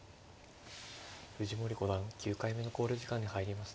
藤森五段９回目の考慮時間に入りました。